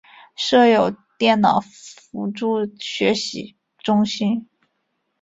设有电脑辅助学习中心。